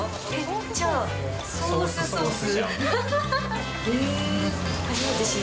じゃあソースソース？